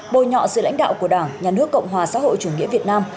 bồi nhọ sự lãnh đạo của đảng nhà nước cộng hòa xã hội chủ nghĩa việt nam